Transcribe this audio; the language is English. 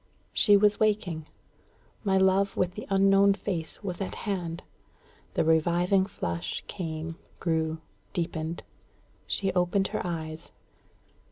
She was waking. My love with the unknown face was at hand. The reviving flush came, grew, deepened. She opened her eyes.